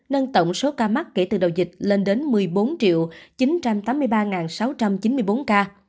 nâng tổng số ca mắc kể từ đầu dịch lên đến một mươi bốn chín trăm tám mươi ba sáu trăm chín mươi bốn ca